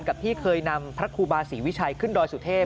ที่เคยนำพระครูบาศรีวิชัยขึ้นดอยสุเทพ